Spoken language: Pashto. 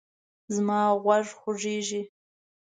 زما غوږ خوږیږي